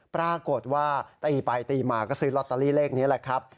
ปรากฏว่าตีไปตีมาก็ซื้อลอตเตอรี่เลขนี้แหละครับ